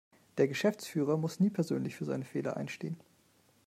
Der Geschäftsführer muss nie persönlich für seine Fehler einstehen.